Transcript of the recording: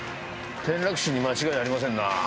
転落死に間違いありませんな。